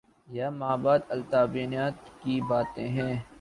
یہ مابعد الطبیعیات کی باتیں ہیں۔